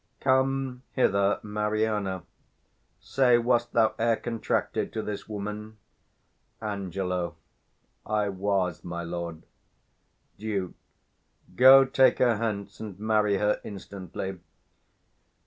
_ Come hither, Mariana. Say, wast thou e'er contracted to this woman? Ang. I was, my lord. Duke. Go take her hence, and marry her instantly.